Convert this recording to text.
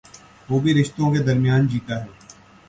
وہ بھی رشتوں کے درمیان جیتا ہے۔